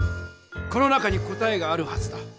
この中に答えがあるはずだ。